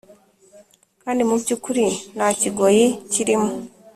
kandi mu byukuri nta kigoye kirimo